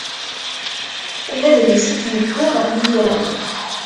D adlis i d-yewwin ɣef yitran.